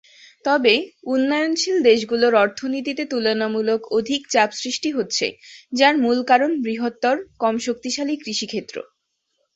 তবে, উন্নয়নশীল দেশগুলোর অর্থনীতিতে তুলনামূলক অধিক চাপ সৃষ্টি হচ্ছে যার মূল কারণ বৃহত্তর, কম শক্তিশালী কৃষিক্ষেত্র।